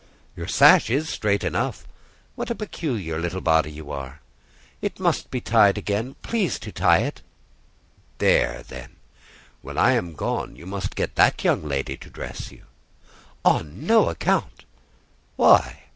"Your sash is straight enough. What a particular little body you are!" "It must be tied again. Please to tie it." "There, then. When I am gone you must get that young lady to dress you." "On no account." "Why?